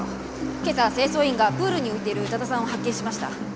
今朝清掃員がプールに浮いている宇多田さんを発見しました。